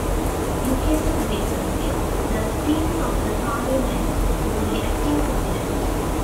In case of vacancy, the Speaker of the Parliament will be acting President.